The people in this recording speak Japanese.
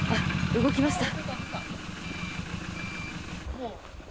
動きました。